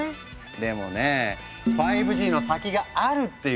でもね５Ｇの先があるっていうのよ。